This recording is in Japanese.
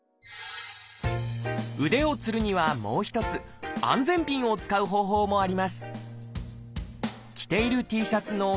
腕をつるにはもう一つ安全ピンを使う方法もあります。